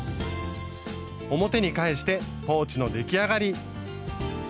表に返してポーチの出来上がり。